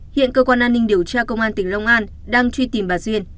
hiện cơ quan an ninh điều tra công an tỉnh long an đang truy tìm bà duyên